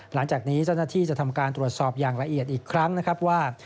หลังจากนี้เจ้าหน้าที่จะทำการตรวจสอบอย่างละเอียดอีกครั้งนะครับว่า